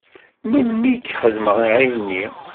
Melmi i k-xedmeɣ ayenni?